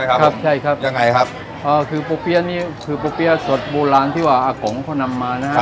ครับใช่ครับยังไงครับอ่าคือปูเปี๊ยะนี่คือปูเปี๊ยะสดโบราณที่ว่าอากงเขานำมานะครับ